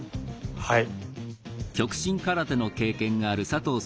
はい。